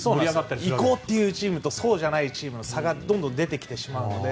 行こうというチームとそうじゃないチームの差がどんどん出てきてしまうので。